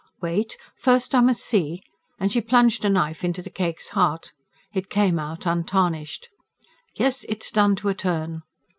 "Wait! First I must see ..." and she plunged a knife into the cake's heart: it came out untarnished. "Yes, it's done to a turn."